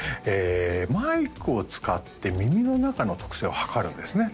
マイクを使って耳の中の特性を測るんですね